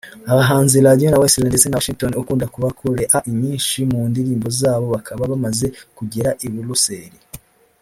Abahanzi Radio na Weasle ndetse na Washington ukunda kubakorea inyinshi mu ndirimbo zabo bakaba bamaze kugera I Buruseli